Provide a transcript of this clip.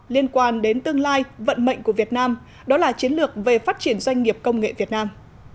liên quan đến tương lai vận mệnh của việt nam đó là chiến lược về phát triển doanh nghiệp công nghệ việt nam